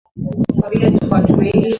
Mungu ni mwema kila siku